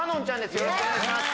よろしくお願いします